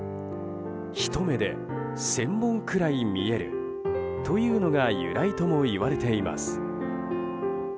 一目で千本くらい見えるというのが由来ともいわれています。